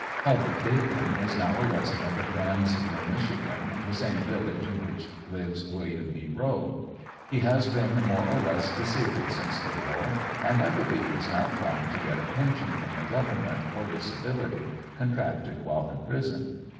Hub Dakin is now a resident of Dansville, Mich., the same village in w^hich lives Wm, B. Rowe. He has been more or less disabled since the war, and 1 believe is now trying to get a pension from the government for disability contracted while in prison.